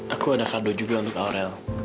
aku ada kaldo juga untuk aurel